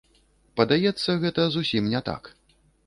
Падаецца, гэта зусім не так.